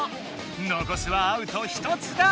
のこすはアウト１つだ！